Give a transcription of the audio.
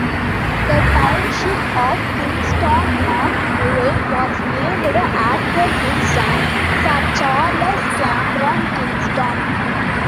The township of Kingston-on-Murray was named after his son, Sir Charles Cameron Kingston.